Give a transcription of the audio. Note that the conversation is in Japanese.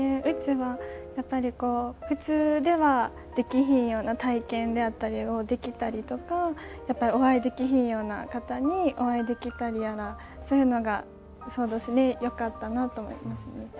うちはやっぱり普通ではできひんような体験であったりをできたりとかやっぱりお会いできひんような方にお会いできたりやらそういうのがそうどすねよかったなと思いますね。